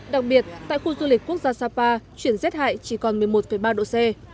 đặc biệt tại khu du lịch quốc gia sapa chuyển rét hại chỉ còn một mươi một ba độ c